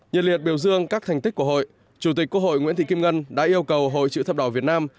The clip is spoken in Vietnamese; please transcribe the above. nhiệt liệt biểu dương các thành tích của hội chủ tịch quốc hội nguyễn thị kim ngân đã yêu cầu hội chữ thập đỏ việt nam